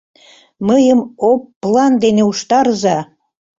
Мыйым обплан ден уштарыза!